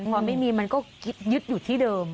พอไม่มีมันก็คิดยึดอยู่ที่เดิม